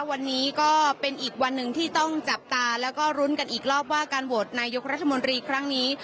วันนี้ก็เป็นอีกวันหนึ่งที่ต้องจับตาแล้วก็รุ้นกันอีกรอบว่าการโหวตนายกรัฐมนตรีครั้งนี้